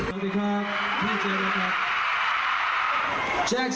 สวัสดีครับพี่เจมส์ครับ